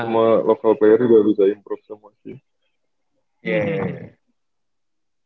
itu cuma local player juga bisa improve semua sih